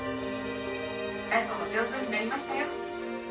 だっこも上手になりましたよ。